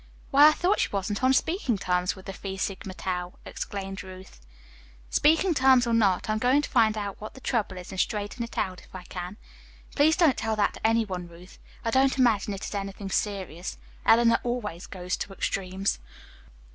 "Why, I thought she wasn't on speaking terms with the Phi Sigma Tau!" exclaimed Ruth. "Speaking terms or not, I'm going to find out what the trouble is and straighten it out if I can. Please don't tell that to any one, Ruth. I don't imagine it's anything serious. Eleanor always goes to extremes."